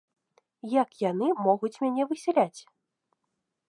Як яны могуць мяне высяляць?